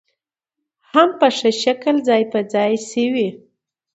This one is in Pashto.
هم په ښه شکل ځاى په ځاى شوې .